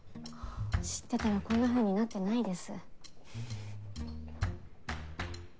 知ってたらこんなふうになってないです。